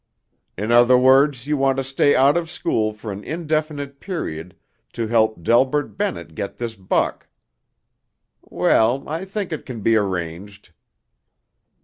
"In other words you want to stay out of school for an indefinite period to help Delbert Bennett get this buck. Well, I think it can be arranged."